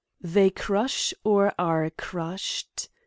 They crush or are crushed.